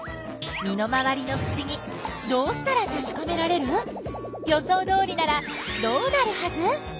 身の回りのふしぎどうしたらたしかめられる？予想どおりならどうなるはず？